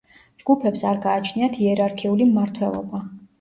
ჯგუფებს არ გააჩნიათ იერარქიული მმართველობა.